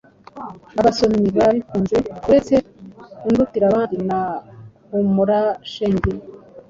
Abasomyi barabikunze. Uretse Undutira abandi na Humura Shenge